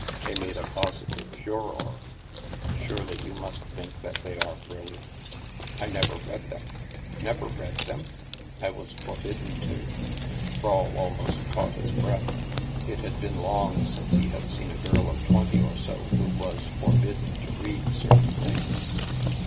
They made a posi tive furore. Surely you must think that they are brilliant?" STILL WATERS 47 " I never read them." " Never read them ?''" I was forbidden to." Rawle almost caught his breath. It had been long since he had seen a girl of twenty or so who was forbidden " to read certain things.